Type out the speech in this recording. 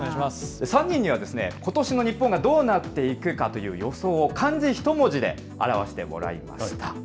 ３人には、ことしの日本がどうなっていくかという予想を漢字一文字で表してもらいました。